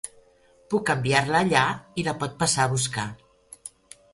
Puc enviar-la allà i la pot passar a buscar.